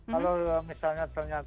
kalau misalnya ternyata